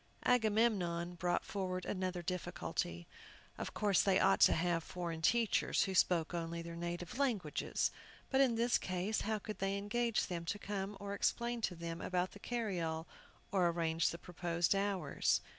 Agamemnon brought forward another difficulty. Of course they ought to have foreign teachers, who spoke only their native languages. But, in this case, how could they engage them to come, or explain to them about the carryall, or arrange the proposed hours?